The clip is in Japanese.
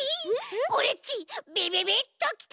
オレっちビビビッときた！